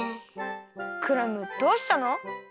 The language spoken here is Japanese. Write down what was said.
クラムどうしたの？